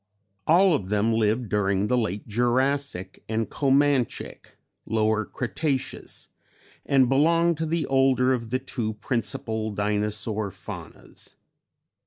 All of them lived during the late Jurassic and Comanchic ("Lower Cretaceous") and belong to the older of the two principal Dinosaur faunas.